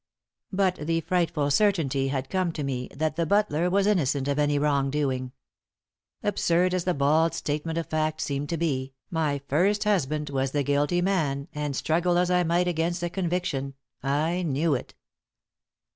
But the frightful certainty had come to me that the butler was innocent of any wrong doing. Absurd as the bald statement of fact seemed to be, my first husband was the guilty man, and, struggle as I might against the conviction, I knew it.